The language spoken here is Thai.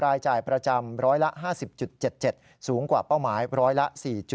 รายจ่ายประจำร้อยละ๕๐๗๗สูงกว่าเป้าหมายร้อยละ๔๗